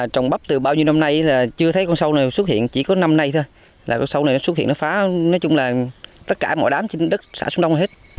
trồng bắp từ bao nhiêu năm nay là chưa thấy con sâu nào xuất hiện chỉ có năm nay thôi là con sâu này nó xuất hiện nó phá nói chung là tất cả mọi đám trên đất xã xuống đông hết